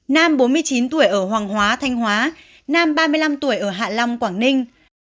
nam bốn mươi chín tuổi ở hoàng hóa thanh hóa nam ba mươi năm tuổi ở hạ long quảng ninh